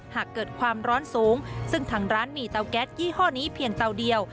หากเกิดความร้อนสูงซึ่งทางร้านมีเตาแก๊สยี่ห้อนี้เพียงเตาเดียว